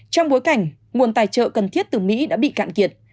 trong bối cảnh nguồn tài trợ cần thiết từ mỹ đã bị cạn kiệt